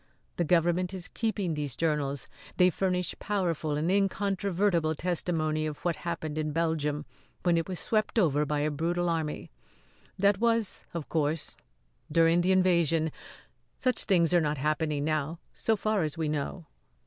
The government is keeping these journals. They furnish powerful and incontrovertible testimony of what happened in Belgium when it was swept over by a brutal army. That was, of course, during the invasion such things are not happening now so far as we know."